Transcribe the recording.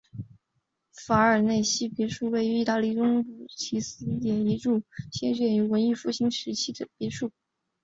法尔内西纳别墅是位于意大利中部罗马特拉斯提弗列的一座修建于文艺复兴时期的别墅。